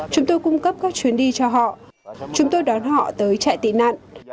chúng tôi cung cấp các chuyến đi cho họ chúng tôi đón họ tới chạy tị nạn